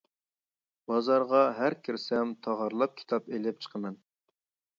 بازارغا ھەر كىرسەم تاغارلاپ كىتاب ئېلىپ چىقىمەن.